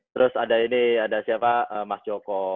terus ada ini ada siapa mas joko